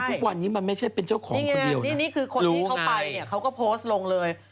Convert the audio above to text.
๗๑๑ทุกวันนี้มันไม่ใช่เป็นเจ้าของคนเดียวนะรู้ไงนี่ไงนี่คือคนที่เขาไปเนี่ยเขาก็โพสต์ลงเลย